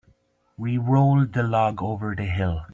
We rolled the log over the hill.